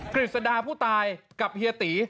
กฤษดาผู้ตายกับเฮียตี